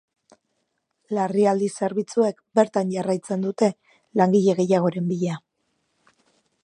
Larrialdi zerbitzuek bertan jarraitzen dute langile gehiagoren bila.